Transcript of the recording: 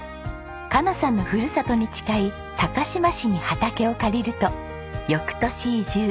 佳奈さんのふるさとに近い高島市に畑を借りると翌年移住。